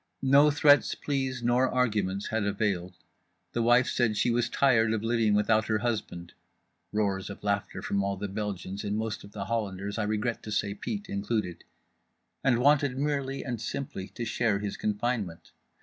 No threats, pleas nor arguments had availed. The wife said she was tired of living without her husband—roars of laughter from all the Belgians and most of the Hollanders, I regret to say Pete included—and wanted merely and simply to share his confinement.